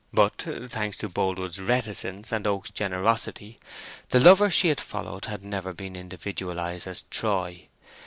But, thanks to Boldwood's reticence and Oak's generosity, the lover she had followed had never been individualized as Troy.